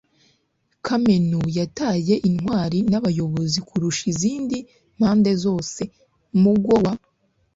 kameno yataye intwari n'abayobozi kurusha izindi mpande zose. mugo wa